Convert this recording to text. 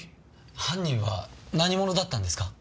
犯人は何者だったんですか？